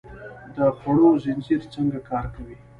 د خوړو زنځیر څنګه کار کوي؟